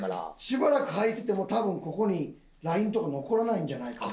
しばらくはいてても多分ここにラインとか残らないんじゃないかな。